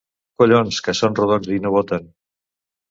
Collons! —Que són rodons i no boten.